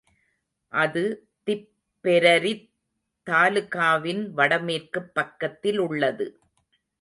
அது திப்பெரரித் தாலுகாவின் வடமேற்குப் பக்கத்திலுள்ளது.